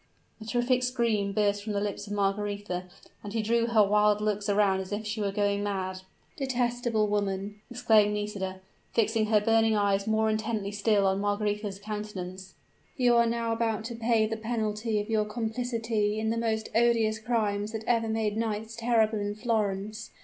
A terrific scream burst from the lips of Margaretha; and she threw her wild looks around as if she were going mad. "Detestable woman!" exclaimed Nisida, fixing her burning eyes more intently still on Margaretha's countenance: "you are now about to pay the penalty of your complicity in the most odious crimes that ever made nights terrible in Florence!